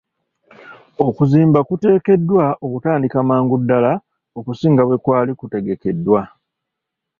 Okuzimba kuteekeddwa okutandika mangu ddaala okusinga bwe kwali kutegekeddwa.